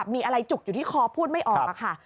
มีอะไรจุกอยู่ที่คอพูดไม่ออกค่ะ